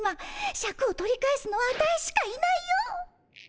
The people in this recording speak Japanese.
シャクを取り返すのはアタイしかいないよ。